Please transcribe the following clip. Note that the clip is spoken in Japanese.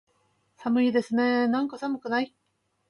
寒いですねーなんか、寒くない？